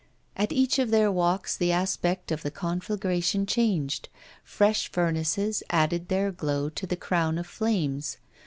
At each of their walks the aspect of the conflagration changed; fresh furnaces added their glow to the crown of flames.